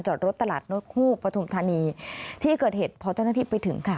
จอดรถตลาดโน้ตคู่ปฐุมธานีที่เกิดเหตุพอเจ้าหน้าที่ไปถึงค่ะ